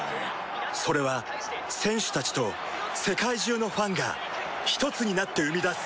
それは選手たちと世界中のファンがひとつになって生み出す